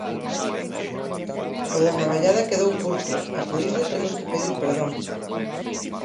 O da navallada quedou curto, e por iso temos que pedir perdón.